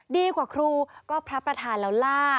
ดีกว่าครูก็พระประธานแล้วล่า